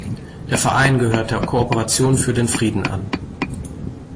Der Verein gehört der Kooperation für den Frieden an.